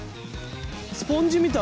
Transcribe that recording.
スポンジみたい。